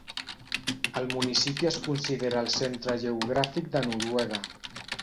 El municipi es considera el centre geogràfic de Noruega.